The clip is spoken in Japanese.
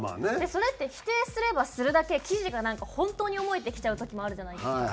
それって否定すればするだけ記事がなんか本当に思えてきちゃう時もあるじゃないですか。